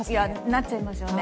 なっちゃいますよね。